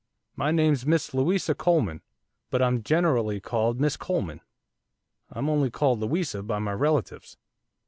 My name's Miss Louisa Coleman; but I'm generally called Miss Coleman, I'm only called Louisa by my relatives.